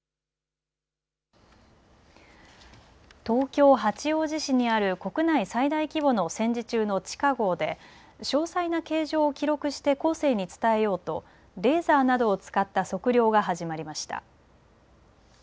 東京八王子市にある国内最大規模の戦時中の地下ごうで詳細な形状を記録して後世に伝えようとレーザーなどを使った測量が始まりました。